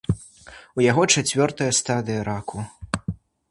У яго чацвёртая стадыя раку.